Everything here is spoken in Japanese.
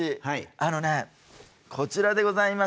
あのねこちらでございます。